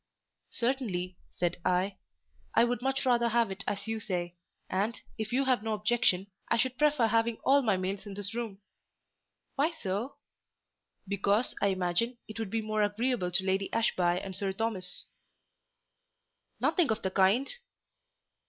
"Certainly," said I, "I would much rather have it as you say, and, if you have no objection, I should prefer having all my meals in this room." "Why so?" "Because, I imagine, it would be more agreeable to Lady Ashby and Sir Thomas." "Nothing of the kind."